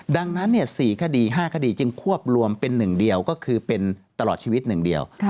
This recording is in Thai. ดังนั้น๔๕คดีจึงควบรวมเป็น๑เดียวก็คือเป็นตลอดชีวิต๑เดียว